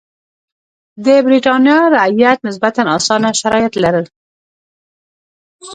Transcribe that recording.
د برېټانیا رعیت نسبتا اسانه شرایط لرل.